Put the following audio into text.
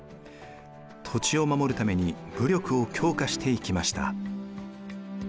土地を守るために武力を強化していきました。